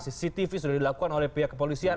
cctv sudah dilakukan oleh pihak kepolisian